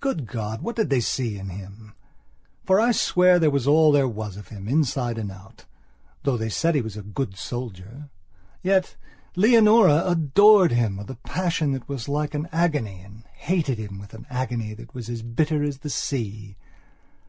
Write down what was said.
Good God, what did they all see in him? for I swear there was all there was of him, inside and out; though they said he was a good soldier. Yet, Leonora adored him with a passion that was like an agony, and hated him with an agony that was as bitter as the sea.